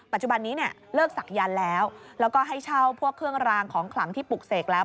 ปัจจุบันนี้เนี่ยเลิกศักยันต์แล้วแล้วก็ให้เช่าพวกเครื่องรางของขลังที่ปลูกเสกแล้ว